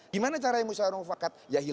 gimana caranya usyawarah mufakat